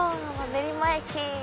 練馬駅！